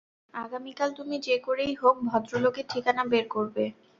আগামীকাল তুমি যে করেই হোক, ভদ্রলোকের ঠিকানা বের করবে।